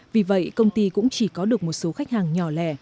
vì vậy công ty cũng chỉ có được một số khách hàng nhỏ lẻ